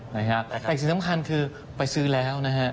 แต่สิ่งสำคัญคือไปซื้อแล้วนะฮะ